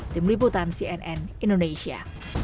tim liputan cnn indonesia